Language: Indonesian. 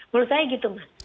menurut saya gitu